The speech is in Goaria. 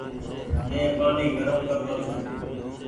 مين پآڻيٚ گرم ڪر رو ڇون ۔